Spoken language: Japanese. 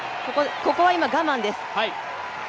ここは今、我慢です。